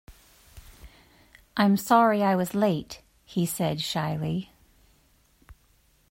“I’m sorry I was late,” he said shyly.